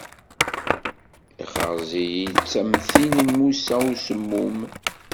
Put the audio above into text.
Ixṛez-iyi-tt am tin n Musa Usemmum.